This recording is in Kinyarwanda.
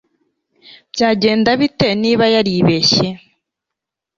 byagenda bite niba yaribeshye